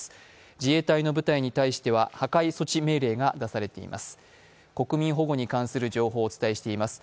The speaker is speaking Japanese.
自衛隊の部隊に対しては破壊措置命令が出されています。